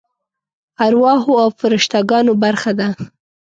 ارواحو او فرشته ګانو برخه ده.